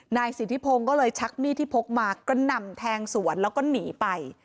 นายสิทธิพงศ์ก็เลยชักมีดที่พกมากระหน่ำแทงสวนแล้วก็หนีไป